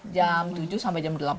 jam tujuh sampai jam delapan